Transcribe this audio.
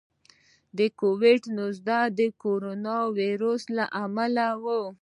د کوویډ نولس د کورونا وایرس له امله و.